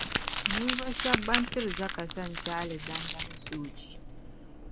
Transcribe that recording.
Ninvuɣu shεba ban tiri zaka sa n kpε Alizanda ni soochi.